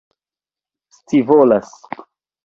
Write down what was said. scivolas